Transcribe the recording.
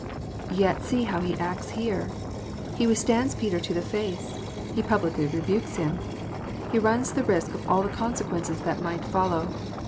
Yet see how he acts here ! He withstands Peter to the face. He publicly rebukes him. He runs the risk of all the consequences that might follow.